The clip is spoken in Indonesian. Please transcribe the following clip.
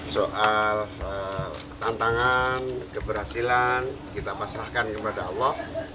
soal tantangan keberhasilan kita pasrahkan kepada allah